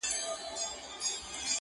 هم یې زامه هم یې پزه ماتومه؛